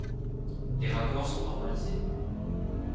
Les raccords sont normalisés.